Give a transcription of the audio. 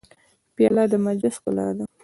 پیاله د مجلس ښکلا ده.